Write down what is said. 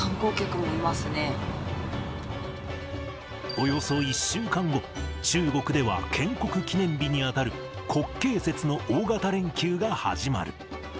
およそ１週間後、中国では建国記念日に当たる、国慶節の大型連休が始まる。